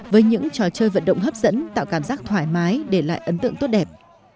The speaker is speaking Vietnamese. với những trò chơi vận động hấp dẫn tạo cảm giác thoải mái để lại ấn tượng tốt đẹp